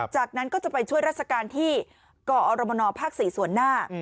จากนั้นก็จะไปช่วยราชการที่กอรมนภ๔ส่วนหน้า